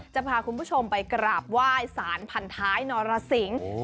จะพาคุณผู้ชมไปกราบไหว้สารพันท้ายนรสิง